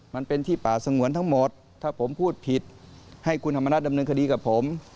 มันเป็นที่ป่าสงวนทั้งหมดถ้าผมพูดผิดให้คุณธรรมนัฐดำเนินคดีกับผม